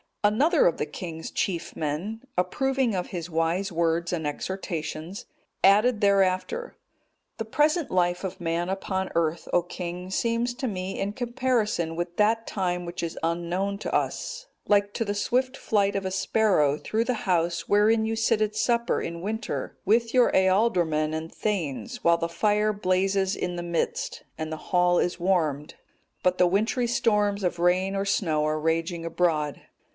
Another of the king's chief men, approving of his wise words and exhortations, added thereafter: "The present life of man upon earth, O king, seems to me, in comparison with that time which is unknown to us, like to the swift flight of a sparrow through the house wherein you sit at supper in winter, with your ealdormen and thegns, while the fire blazes in the midst, and the hall is warmed, but the wintry storms of rain or snow are raging abroad.